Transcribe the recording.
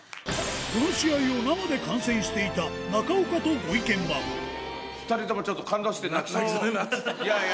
この試合を生で観戦していた中岡とご意見番グッときましたよね。